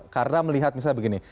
karena melihat misalnya begini